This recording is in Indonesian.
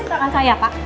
terima kasih bapak